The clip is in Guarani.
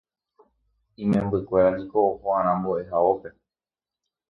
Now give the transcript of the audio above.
Imembykuéra niko oho'arã mbo'ehaópe.